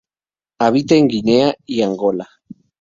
Habita en Guinea y Angola.